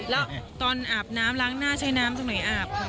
แล้วตอนอาบน้ำล้างหน้าใช้น้ำตรงไหนอาบ